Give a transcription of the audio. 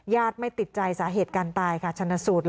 ไม่ติดใจสาเหตุการตายค่ะชนะสูตร